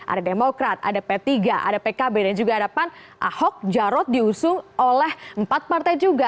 ada demokrat ada p tiga ada pkb dan juga ada pan ahok jarod diusung oleh empat partai juga